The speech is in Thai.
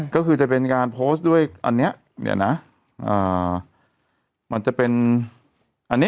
ก็คือจะเป็นการโพสต์ด้วยอันเนี้ยนะมันจะเป็นอันนี้